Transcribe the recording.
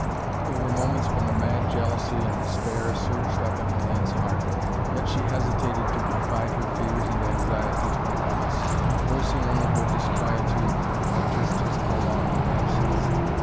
There were moments when a mad jealousy and despair surged up in Hellayne's heart, yet she hesitated to confide her fears and anxiety to the Abbess, voicing only her disquietude at Tristan's prolonged absence.